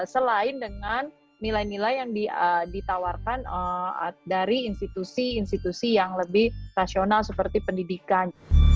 selain dengan nilai nilai yang ditawarkan dari institusi institusi yang lebih rasional seperti pendidikan